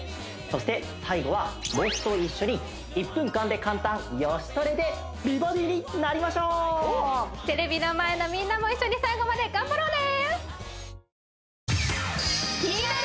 そして最後は僕と一緒に１分間で簡単「よしトレ」で美バディになりましょうテレビの前のみんなも一緒に最後まで頑張ろうね！